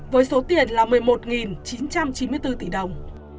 với số tiền là một mươi một chín trăm chín mươi bốn tỷ đồng